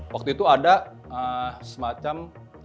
waktu itu ada semacam